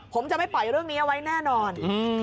ผมจะไม่ปล่อยเรื่องนี้เอาไว้แน่นอน